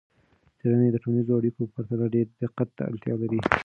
څیړنې د ټولنیزو اړیکو په پرتله ډیر دقت ته اړتیا لري.